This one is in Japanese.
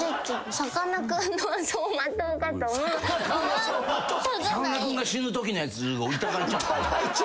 さかなクンが死ぬときのやつを頂いちゃったんだ。